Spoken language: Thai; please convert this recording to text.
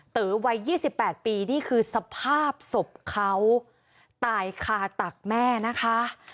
เต๋อวัย๒๘ปีนี่คือสภาพศพเขาตายคาตักแม่นะคะ